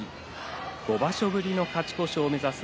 ５場所ぶりの勝ち越しを目指す